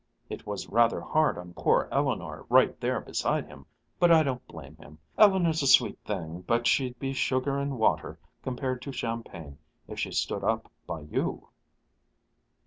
It was rather hard on poor Eleanor right there beside him, but I don't blame him. Eleanor's a sweet thing, but she'd be sugar and water compared to champagne if she stood up by you."